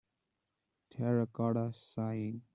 Terracotta Sighing.